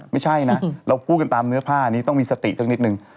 ไม่ใช่นะเราพูดกันตามเนื้อผ้านี้ต้องมีสติสักนิดนึง